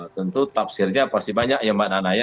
tentu tafsirnya pasti banyak ya mbak nanaya